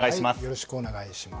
平松さん、よろしくお願いします。